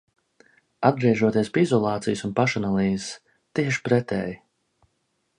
Atgriežoties pie izolācijas un pašanalīzes. Tieši pretēji.